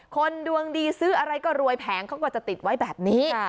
คนดวงดีซื้ออะไรก็รวยแผงเขาก็จะติดไว้แบบนี้